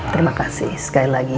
terima kasih sekali lagi